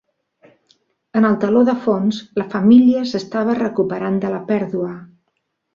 En el teló de fons, la família s'estava recuperant de la pèrdua.